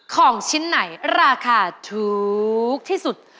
ของชิ้นไหนราคาถูกที่สุด